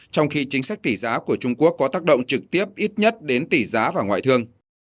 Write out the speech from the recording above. trong khi chính sách tỷ giá của trung quốc có tác động trực tiếp ít nhất đến tỷ giá và ngoại thương